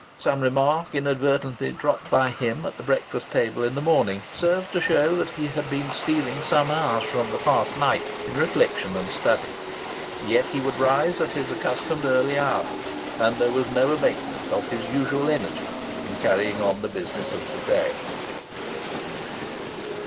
Some remark inadvertently dropped by him at the breakfast table in the morning, served to show that he had been stealing some hours from the past night in reflection and study. Yet he would rise at his accustomed early hour, and there was no abatement of his usual energy in carrying on the business of the day.